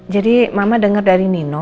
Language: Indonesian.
jadi mama dengar dari nino